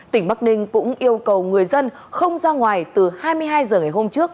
tỉnh bắc ninh cũng yêu cầu người dân không ra ngoài từ hai mươi hai h ngày hôm trước